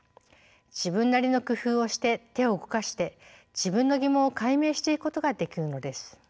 自分なりの工夫をして手を動かして自分の疑問を解明していくことができるのです。